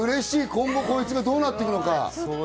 今後、こいつがどうなっていくのか。